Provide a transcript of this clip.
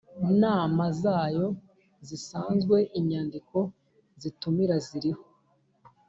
nama zayo zisanzwe Inyandiko zitumira ziriho